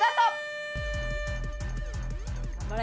頑張れ！